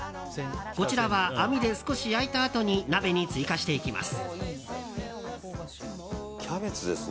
こちらは網で少し焼いたあとに鍋に追加していきます。